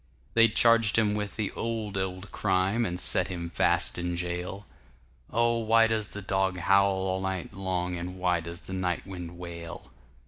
They'd charged him with the old, old crime, And set him fast in jail:Oh, why does the dog howl all night long, And why does the night wind wail?